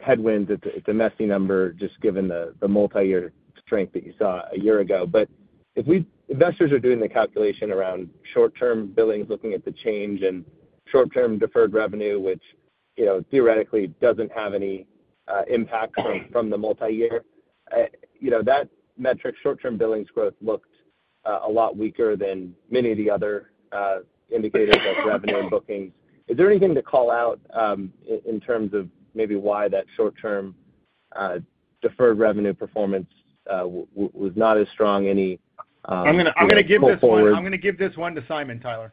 headwinds. It's a messy number, just given the multi-year strength that you saw a year ago. But if we-- investors are doing the calculation around short-term billings, looking at the change in short-term deferred revenue, which, you know, theoretically doesn't have any impact from the multi-year. You know, that metric, short-term billings growth, looked a lot weaker than many of the other indicators like revenue and bookings. Is there anything to call out in terms of maybe why that short-term deferred revenue performance was not as strong, any? I'm gonna give this one- -going forward. I'm gonna give this one to Simon, Tyler.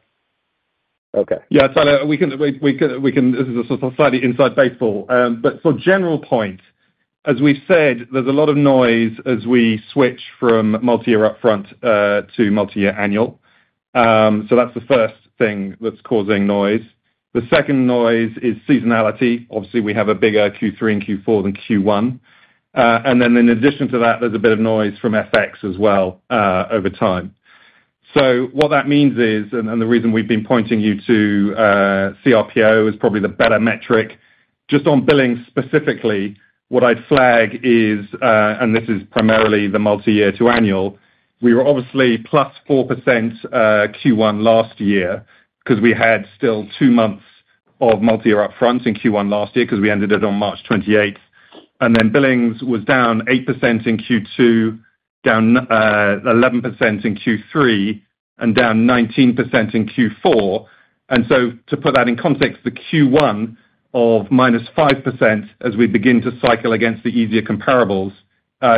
Okay. Yeah, Tyler, we can. This is a sort of slightly inside baseball. But for general point, as we've said, there's a lot of noise as we switch from multi-year upfront to multi-year annual. So that's the first thing that's causing noise. The second noise is seasonality. Obviously, we have a bigger Q3 and Q4 than Q1. And then in addition to that, there's a bit of noise from FX as well, over time. So what that means is, and the reason we've been pointing you to CRPO, is probably the better metric. Just on billings specifically, what I'd flag is, and this is primarily the multi-year to annual, we were obviously +4%, Q1 last year, 'cause we had still two months of multi-year upfront in Q1 last year, 'cause we ended it on March twenty-eighth. And then billings was down 8% in Q2, down, eleven percent in Q3, and down 19% in Q4. And so to put that in context, the Q1 of -5%, as we begin to cycle against the easier comparables,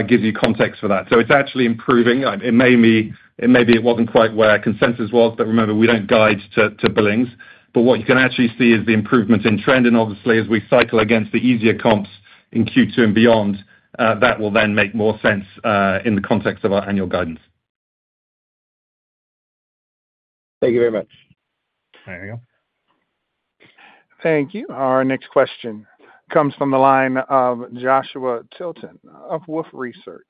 gives you context for that. So it's actually improving. It may be, it may be it wasn't quite where consensus was, but remember, we don't guide to, to billings. But what you can actually see is the improvement in trend, and obviously, as we cycle against the easier comps in Q2 and beyond, that will then make more sense in the context of our annual guidance. Thank you very much. There you go. Thank you. Our next question comes from the line of Joshua Tilton of Wolfe Research.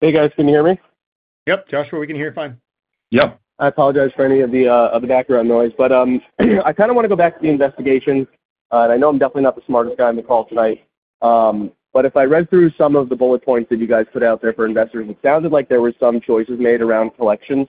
Hey, guys, can you hear me? Yep, Joshua, we can hear you fine. Yep. I apologize for any of the background noise. But I kind of want to go back to the investigation. And I know I'm definitely not the smartest guy on the call tonight. But if I read through some of the bullet points that you guys put out there for investors, it sounded like there were some choices made around collections,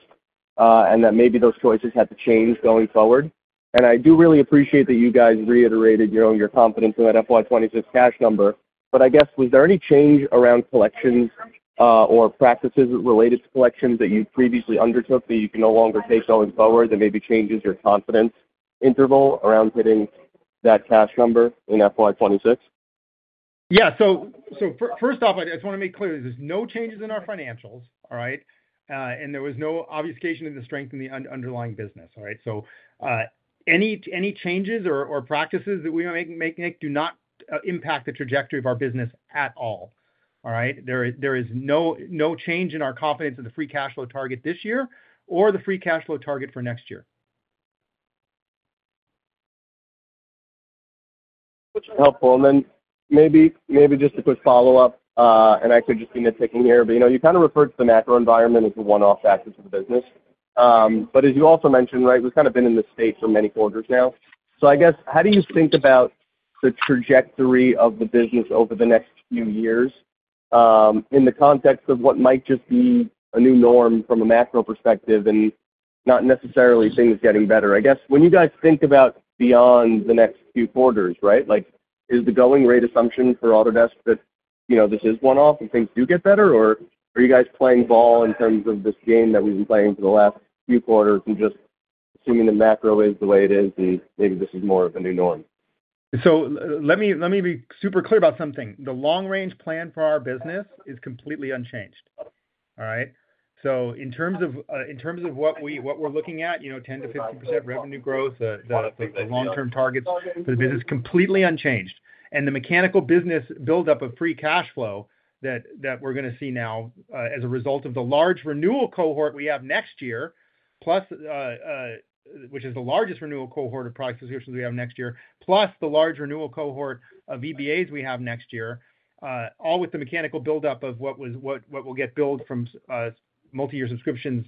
and that maybe those choices had to change going forward. And I do really appreciate that you guys reiterated, you know, your confidence in that FY 2026 cash number. But I guess, was there any change around collections, or practices related to collections that you previously undertook, that you can no longer take going forward, that maybe changes your confidence interval around hitting that cash number in FY 2026? Yeah, so first off, I just wanna make clear, there's no changes in our financials, all right? And there was no obfuscation of the strength in the underlying business, all right? So any changes or practices that we are making do not impact the trajectory of our business at all. All right? There is no change in our confidence in the free cash flow target this year or the free cash flow target for next year. Which is helpful. Then maybe, maybe just a quick follow-up, and actually just nitpicking here, but, you know, you kind of referred to the macro environment as a one-off factor to the business. But as you also mentioned, right, we've kind of been in this state for many quarters now. So I guess, how do you think about the trajectory of the business over the next few years, in the context of what might just be a new norm from a macro perspective and not necessarily things getting better? I guess, when you guys think about beyond the next few quarters, right, like, is the going rate assumption for Autodesk that, you know, this is one-off and things do get better? Or are you guys playing ball in terms of this game that we've been playing for the last few quarters and just assuming the macro is the way it is, and maybe this is more of a new norm? So let me be super clear about something. The long-range plan for our business is completely unchanged. All right? So in terms of what we're looking at, you know, 10%-50% revenue growth, the long-term targets for the business, completely unchanged. And the mechanical business buildup of free cash flow that we're gonna see now, as a result of the large renewal cohort we have next year, plus which is the largest renewal cohort of product subscriptions we have next year, plus the large renewal cohort of EBAs we have next year, all with the mechanical buildup of what will get billed from multi-year subscriptions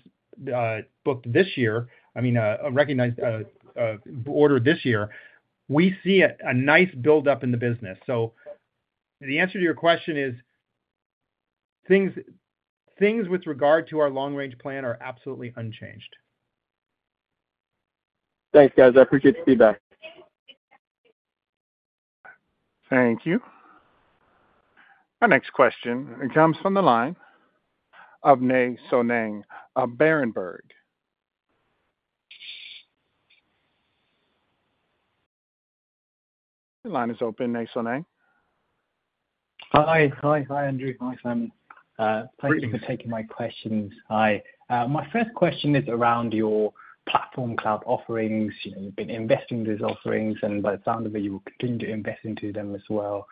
booked this year. I mean, a recognized order this year. We see a nice buildup in the business. The answer to your question is, things, things with regard to our long-range plan are absolutely unchanged. Thanks, guys. I appreciate the feedback. Thank you. Our next question comes from the line of Nay Soe Naing of Berenberg. Your line is open, Nay Soe Naing. Hi. Hi, hi, Andrew. Hi, Simon. Thank you for taking my questions. Hi. My first question is around your platform cloud offerings. You know, you've been investing in these offerings, and by the sound of it, you will continue to invest into them as well.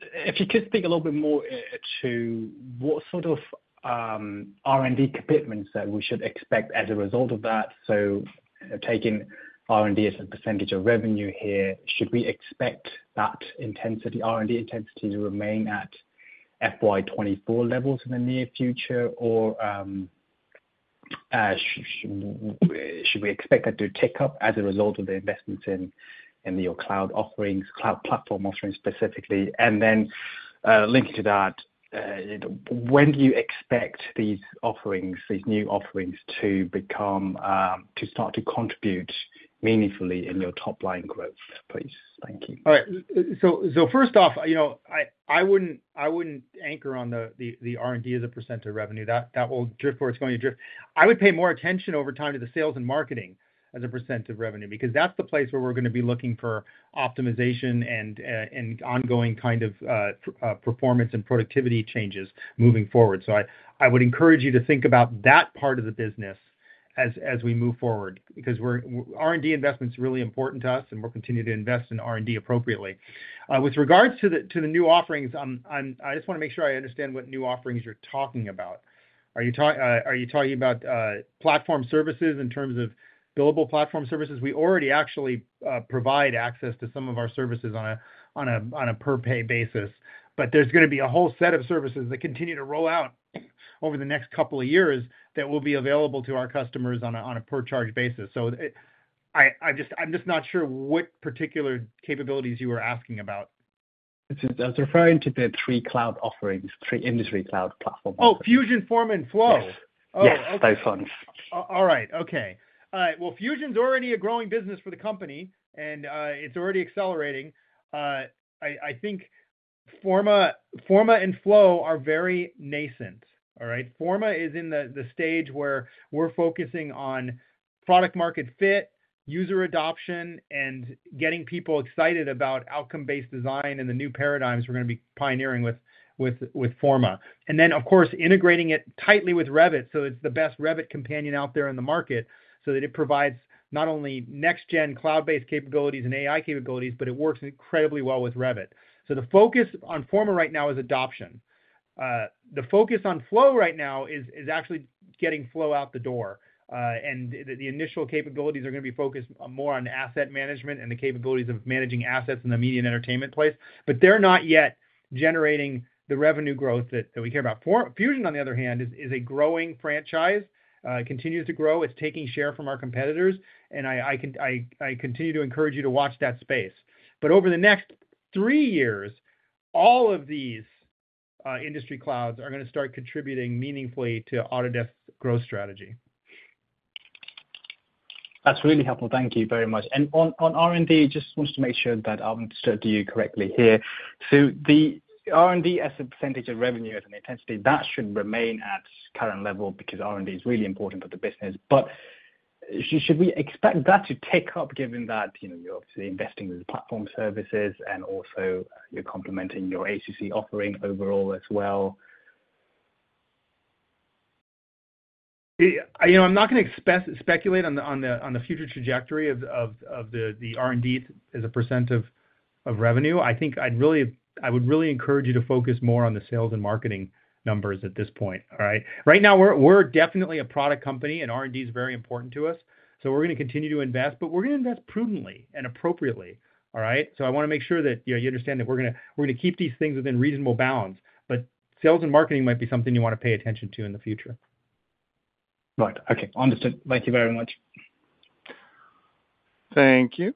If you could speak a little bit more to what sort of R&D commitments that we should expect as a result of that. So taking R&D as a percentage of revenue here, should we expect that intensity, R&D intensity to remain at FY 2024 levels in the near future? Or, should we expect that to tick up as a result of the investments in your cloud offerings, cloud platform offerings, specifically? And then, linking to that, when do you expect these offerings, these new offerings, to become, to start to contribute meaningfully in your top-line growth, please? Thank you. All right. So first off, you know, I wouldn't anchor on the R&D as a percent of revenue. That will drift where it's going to drift. I would pay more attention over time to the sales and marketing as a percent of revenue, because that's the place where we're gonna be looking for optimization and ongoing kind of performance and productivity changes moving forward. So I would encourage you to think about that part of the business as we move forward, because we're. R&D investment is really important to us, and we'll continue to invest in R&D appropriately. With regards to the new offerings, I'm, I just wanna make sure I understand what new offerings you're talking about. Are you talking about platform services in terms of billable platform services? We already actually provide access to some of our services on a per-pay basis, but there's gonna be a whole set of services that continue to roll out over the next couple of years that will be available to our customers on a per-charge basis. So it... I just, I'm just not sure what particular capabilities you were asking about. I was referring to the three cloud offerings, three industry cloud platform. Oh, Fusion, Forma, and Flow. Yes. Oh, okay. Yes, those ones. All right. Okay. All right. Well, Fusion's already a growing business for the company, and it's already accelerating. I think Forma and Flow are very nascent. All right? Forma is in the stage where we're focusing on product-market fit, user adoption, and getting people excited about outcome-based design and the new paradigms we're gonna be pioneering with Forma. And then, of course, integrating it tightly with Revit, so it's the best Revit companion out there in the market, so that it provides not only next-gen cloud-based capabilities and AI capabilities, but it works incredibly well with Revit. So the focus on Forma right now is adoption. The focus on Flow right now is actually getting Flow out the door. And the initial capabilities are gonna be focused on more on asset management and the capabilities of managing assets in the media and entertainment place. But they're not yet generating the revenue growth that we care about. Fusion, on the other hand, is a growing franchise. It continues to grow. It's taking share from our competitors, and I continue to encourage you to watch that space. But over the next three years, all of these industry clouds are gonna start contributing meaningfully to Autodesk's growth strategy. That's really helpful. Thank you very much. And on R&D, just wanted to make sure that I understood you correctly here. So the R&D as a percentage of revenue, as an intensity, that should remain at current level because R&D is really important for the business. But should we expect that to tick up given that, you know, you're obviously investing in the platform services and also you're complementing your ACC offering overall as well? You know, I'm not gonna speculate on the future trajectory of the R&D as a % of revenue. I think I would really encourage you to focus more on the sales and marketing numbers at this point. All right? Right now, we're definitely a product company, and R&D is very important to us, so we're gonna continue to invest, but we're gonna invest prudently and appropriately, all right? So I wanna make sure that, you know, you understand that we're gonna keep these things within reasonable bounds, but sales and marketing might be something you wanna pay attention to in the future. Right. Okay, understood. Thank you very much. Thank you.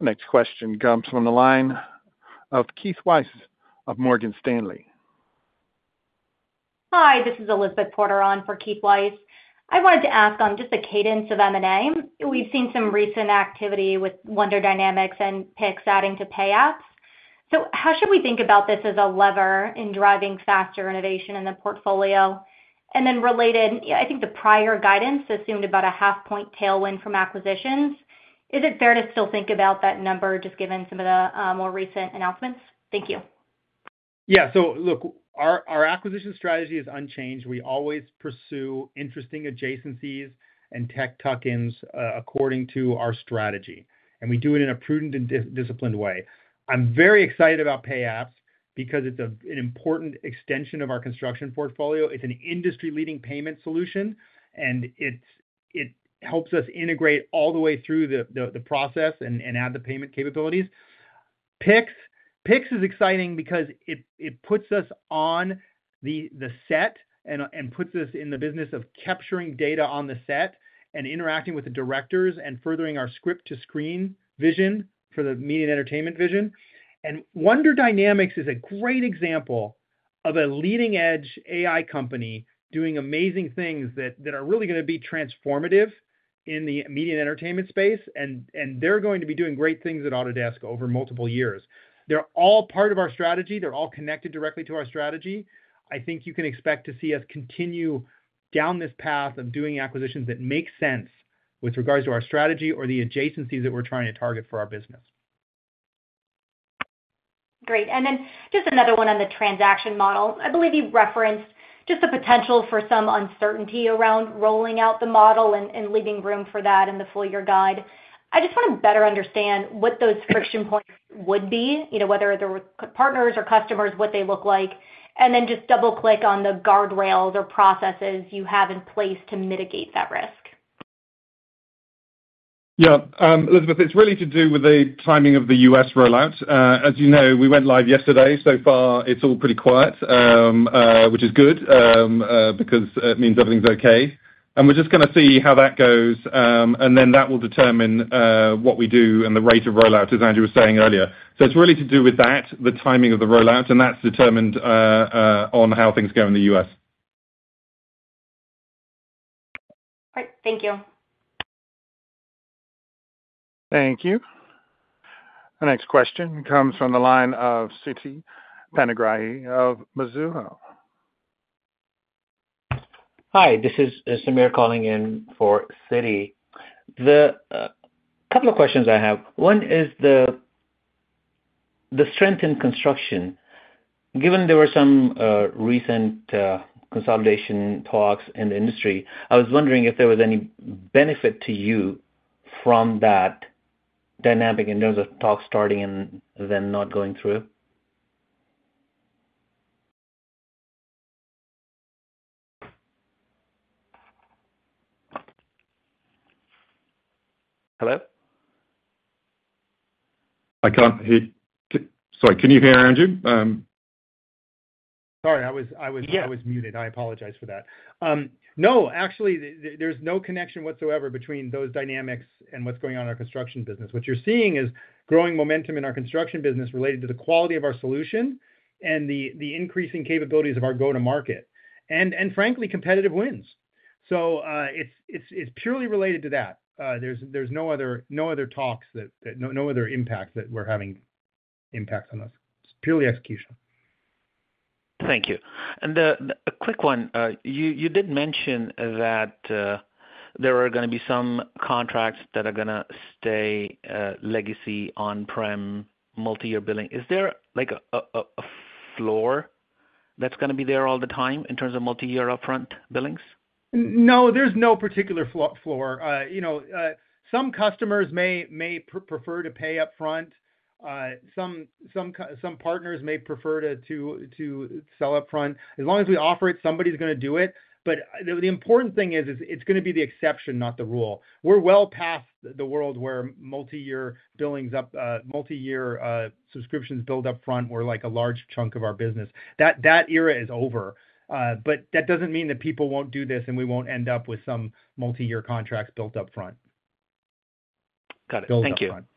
Next question comes from the line of Keith Weiss of Morgan Stanley. Hi, this is Elizabeth Porter on for Keith Weiss. I wanted to ask on just the cadence of M&A. We've seen some recent activity with Wonder Dynamics and PIX adding to Payapps. So how should we think about this as a lever in driving faster innovation in the portfolio? And then related, I think the prior guidance assumed about a half point tailwind from acquisitions. Is it fair to still think about that number, just given some of the more recent announcements? Thank you. Yeah. So look, our acquisition strategy is unchanged. We always pursue interesting adjacencies and tech tuck-ins according to our strategy, and we do it in a prudent and disciplined way. I'm very excited about Payapps because it's an important extension of our construction portfolio. It's an industry-leading payment solution, and it helps us integrate all the way through the process and add the payment capabilities. PIX. PIX is exciting because it puts us on the set and puts us in the business of capturing data on the set and interacting with the directors and furthering our script-to-screen vision for the media and entertainment vision. Wonder Dynamics is a great example of a leading-edge AI company doing amazing things that are really gonna be transformative in the media and entertainment space, and they're going to be doing great things at Autodesk over multiple years. They're all part of our strategy. They're all connected directly to our strategy. I think you can expect to see us continue down this path of doing acquisitions that make sense with regards to our strategy or the adjacencies that we're trying to target for our business. Great. And then just another one on the transaction model. I believe you've referenced just the potential for some uncertainty around rolling out the model and leaving room for that in the full year guide. I just wanna better understand what those friction points would be, you know, whether they were partners or customers, what they look like. And then just double click on the guardrails or processes you have in place to mitigate that risk. Yeah, Elizabeth, it's really to do with the timing of the US rollout. As you know, we went live yesterday. So far, it's all pretty quiet, which is good, because it means everything's okay. And we're just gonna see how that goes, and then that will determine what we do and the rate of rollout, as Andrew was saying earlier. So it's really to do with that, the timing of the rollout, and that's determined on how things go in the US. Great. Thank you. Thank you. The next question comes from the line of Siti Panigrahi of Mizuho. Hi, this is Sameer calling in for Siti. The couple of questions I have. One is the strength in construction. Given there were some recent consolidation talks in the industry, I was wondering if there was any benefit to you from that dynamic in terms of talks starting and then not going through? Hello? I can't hear... Sorry, can you hear, Andrew? Sorry, I was— Yeah. I was muted. I apologize for that. No, actually, the, there's no connection whatsoever between those dynamics and what's going on in our construction business. What you're seeing is growing momentum in our construction business related to the quality of our solution and the increasing capabilities of our go-to-market, and frankly, competitive wins. So, it's purely related to that. There's no other talks that... No, no other impact, that we're having impact on us. It's purely execution. Thank you. And a quick one. You did mention that there are gonna be some contracts that are gonna stay legacy on-prem, multi-year billing. Is there like a floor that's gonna be there all the time in terms of multi-year upfront billings? No, there's no particular floor. You know, some customers may prefer to pay upfront. Some partners may prefer to sell upfront. As long as we offer it, somebody's gonna do it, but the important thing is it's gonna be the exception, not the rule. We're well past the world where multi-year billings up front, multi-year subscriptions billed up front were like a large chunk of our business. That era is over, but that doesn't mean that people won't do this, and we won't end up with some multi-year contracts billed up front. Got it. Billed up front. Thank you.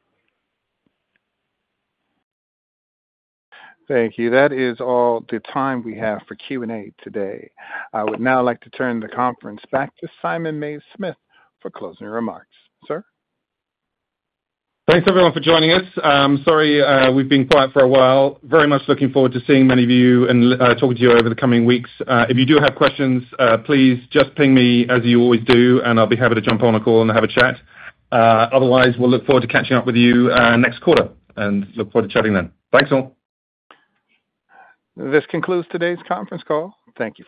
Thank you. That is all the time we have for Q&A today. I would now like to turn the conference back to Simon Mays-Smith for closing remarks. Sir? Thanks, everyone, for joining us. Sorry, we've been quiet for a while. Very much looking forward to seeing many of you and talking to you over the coming weeks. If you do have questions, please just ping me as you always do, and I'll be happy to jump on a call and have a chat. Otherwise, we'll look forward to catching up with you next quarter, and look forward to chatting then. Thanks, all. This concludes today's conference call. Thank you.